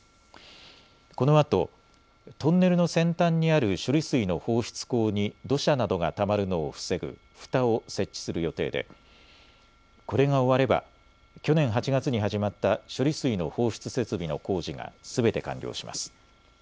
このあとトンネルの先端にある処理水の放出口に土砂などがたまるのを防ぐふたを設置する予定でこれが終われば去年８月に始まった処理水の放出設備の工事がすべて完了します。